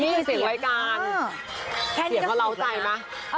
นี่เสียงรายการเสียงเราเข้าใจมะ